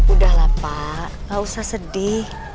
udah lah pak gak usah sedih